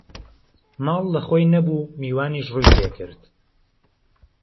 ماڵ له خۆی نهبوو میوانیش ڕووی تێکرد